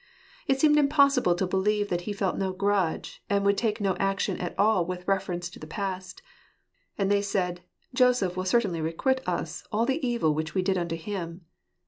It seemed impossible to believe that he felt no grudge, and would take no action at all with reference to the past; and they said, "Joseph will certainly requite us all the evil which we did unto him."